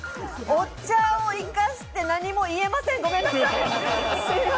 お茶を生かして何も言えません、ごめんなさい。